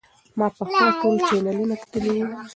ما پخوا ټول چینلونه کتلي وو.